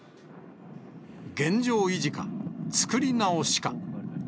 現状維持か、つくり直しか。